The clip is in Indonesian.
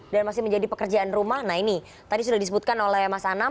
dan masih menjadi pekerjaan rumah